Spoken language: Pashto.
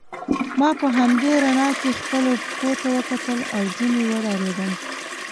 ما په همدې رڼا کې خپلو پښو ته وکتل او ځینې وډارېدم.